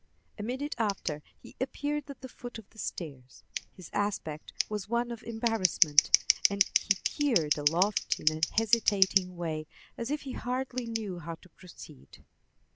A minute after he appeared at the foot of the stairs. His aspect was one of embarrassment, and he peered aloft in a hesitating way, as if he hardly knew how to proceed.